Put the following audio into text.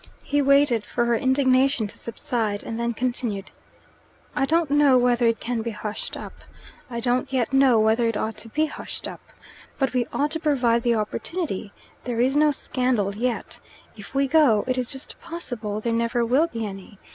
He waited for her indignation to subside, and then continued. "I don't know whether it can be hushed up. I don't yet know whether it ought to be hushed up. But we ought to provide the opportunity. There is no scandal yet. If we go, it is just possible there never will be any.